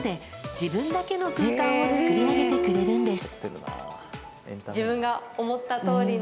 自分だけの空間を作り上げてくれるんです。